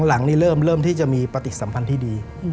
หลังนี้เริ่มที่จะมีปฏิสัมพันธ์ที่ดี